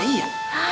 hah apa ya